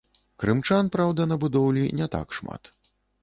Крымчан, праўда, на будоўлі не так шмат.